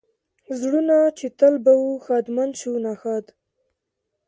زړونه چې تل به و ښادمن شو ناښاد.